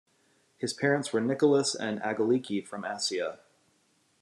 His parents were Nicolas and Aggeliki from Assia.